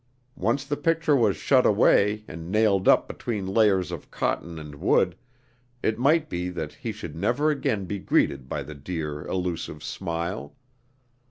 Once the picture was shut away and nailed up between layers of cotton and wood, it might be that he should never again be greeted by the dear, elusive smile.